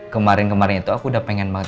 kemarin kemarin itu aku udah pengen masuk